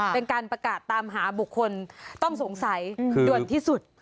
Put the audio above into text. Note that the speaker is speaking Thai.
เป็นการประกาศตามหาบุคคลต้องสงสัยด่วนที่สุด